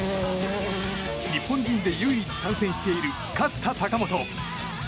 日本人で唯一参戦している勝田貴元。